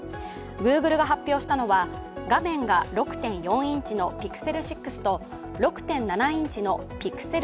Ｇｏｏｇｌｅが発表したのは画面が６．４インチのＰｉｘｅｌ６と６．７インチのＰｉｘｅｌ